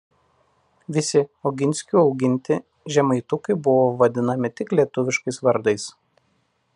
Visi Oginskių auginti žemaitukai buvo vadinami tik lietuviškais vardais.